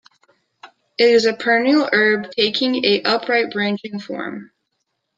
It is a perennial herb taking an upright, branching form.